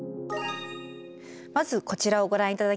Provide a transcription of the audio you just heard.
まずこちらをご覧頂きます。